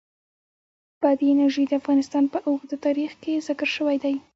بادي انرژي د افغانستان په اوږده تاریخ کې ذکر شوی دی.